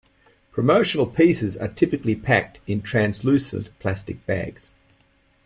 Promotional pieces are typically packed in translucent plastic bags.